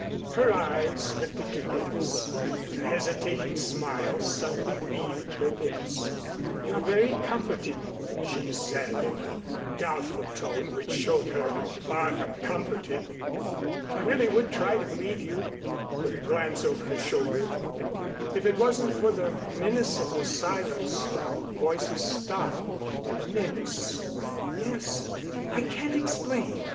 Her eyes lifted to his, and a hesitating smile suddenly wreathed her lips. "You're very comforting," she said, in a doubtful tone which showed her far from comforted. "I really would try to believe you," with a glance over her shoulder, "if it wasn't for the menace of the silence when the voices stop." "The menace " "Yes. I can't explain.